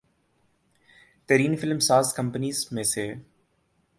ترین film ساز companies میں سے